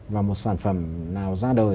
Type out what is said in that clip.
và một sản phẩm nào ra đời